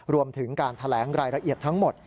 รวมถึงการแถลงรายละเอียดทั้งหมด